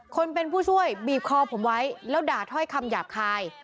คนเป็นผู้ช่วยบีบคอผมไว้แล้วด่าถ้อยคำหยาบคาย